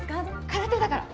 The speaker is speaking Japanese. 空手だから。